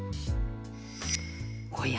おや？